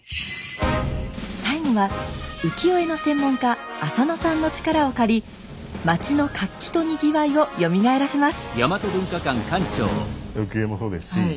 最後は浮世絵の専門家浅野さんの力を借り町の活気とにぎわいをよみがえらせます。